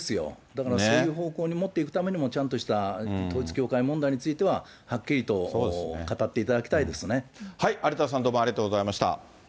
だからそういう方向に持っていくためにも、ちゃんとした、統一教会問題については、はっきりと語有田さん、どうもありがとうございました。